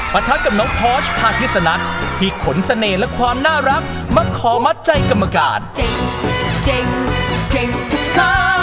ประทับกับน้องพอร์ชที่ขนเสน่ห์และความน่ารักฆ่ามัดใจกรรมกาต